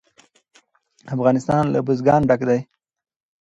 افغانستان له بزګان ډک دی.